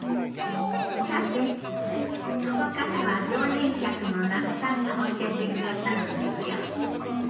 さてここからは常連客の那須さんが教えてくださるんですよ。